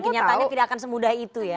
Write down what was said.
kenyataannya tidak akan semudah itu ya